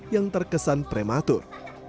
yang terkesan prematur